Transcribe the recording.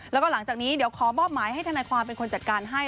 แล้วก็หลังจากนี้เดี๋ยวขอมอบหมายให้ทนายความเป็นคนจัดการให้